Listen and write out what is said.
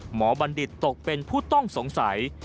บัณฑิตตกเป็นผู้ต้องสงสัย